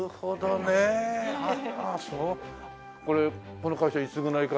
この会社いつぐらいから？